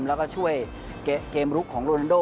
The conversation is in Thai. แล้วก็ช่วยเกมลุกของโรนันโด